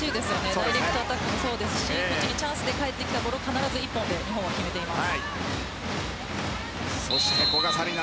ダイレクトアタックもそうですしチャンスで返ってきたら必ず１本で日本は決めています。